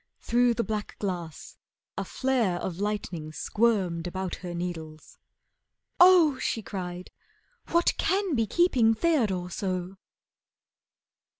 Through the black glass a flare Of lightning squirmed about her needles. "Oh!" She cried. "What can be keeping Theodore so!"